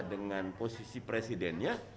dengan posisi presidennya